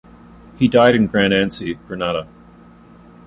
He died in Grand Anse, Grenada.